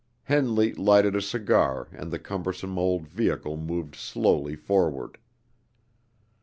Henley lighted a cigar, and the cumbersome old vehicle moved slowly forward.